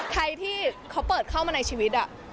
ใครที่เขาเปิดเข้ามาในชีวิต